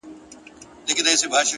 مثبت انسان د ستونزو ترمنځ فرصت مومي.